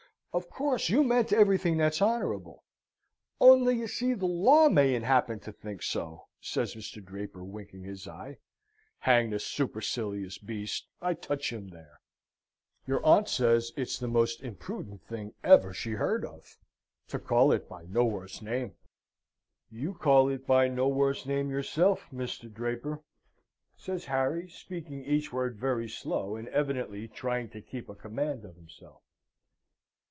"Of course you meant everything that's honourable; only, you see, the law mayn't happen to think so," says Mr. Draper, winking his eye. ("Hang the supercilious beast; I touch him there!) Your aunt says it's the most imprudent thing ever she heard of to call it by no worse name." "You call it by no worse name yourself, Mr. Draper?" says Harry, speaking each word very slow, and evidently trying to keep a command of himself.